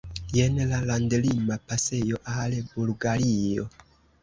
Jen la landlima pasejo al Bulgario.